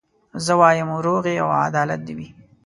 زه وايم وروغي او عدالت دي وي